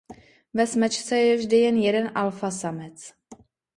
Ve smečce je vždy jen jeden „alfa samec“.